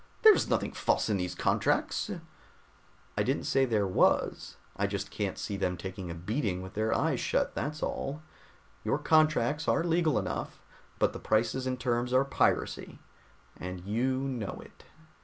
There is nothing false in these contracts!" "I didn't say there was. I just can't see them taking a beating with their eyes shut, that's all. Your contracts are legal enough, but the prices and terms are piracy, and you know it."